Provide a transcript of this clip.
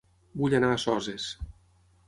Vull anar a Soses